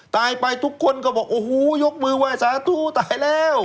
ตายไปทุกคนก็บอกโอ้โหยกมือไหว้สาธุตายแล้ว